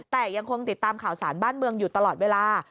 แต่ยังคงติดตามข่าวสารบ้านเมืองอยู่ตลอดเวลา